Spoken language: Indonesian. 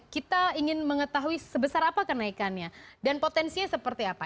kita ingin mengetahui sebesar apa kenaikannya dan potensinya seperti apa